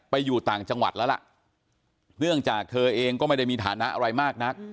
อยู่ต่างจังหวัดแล้วล่ะเนื่องจากเธอเองก็ไม่ได้มีฐานะอะไรมากนัก